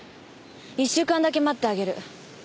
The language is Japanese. １週間だけ待ってあげる。